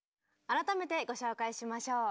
改めてご紹介しましょう。